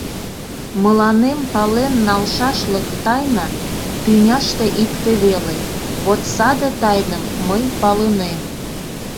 — Мыланем пален налшашлык тайна тӱняште икте веле, вот саде тайным мый палынем.